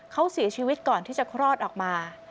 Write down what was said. เขาเสียชีวิตก่อนที่จะคลอดออกมา